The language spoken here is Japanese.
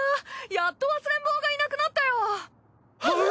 やっとわすれん帽がいなくなったよ。はうぅ！